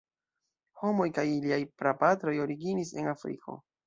Homoj kaj iliaj prapatroj originis en Afriko.